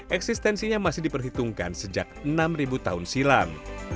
eksistensinya masih diperhitungkan sejak enam tahun silam